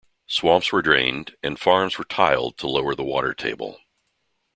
Swamps were drained and farms were tiled to lower the water table.